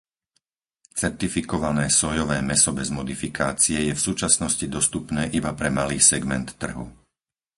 Certifikované sójové mäso bez modifikácie je v súčasnosti dostupné iba pre malý segment trhu.